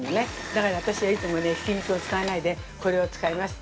だから、私は、いつもね、ひき肉を使わないでこれを使います。